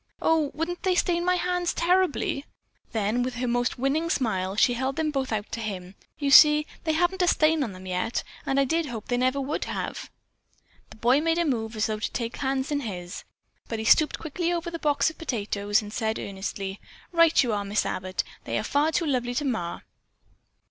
"Oh, wouldn't they stain my hands terribly?" Then, with her most winning smile, she held them both out to him. "You see, they haven't a stain on them yet, and I did hope they never would have." The boy made a move as though to take the hands in his. But he stooped quickly over the box of potatoes and said earnestly: "Right you are, Miss Abbott. They are far too lovely to mar."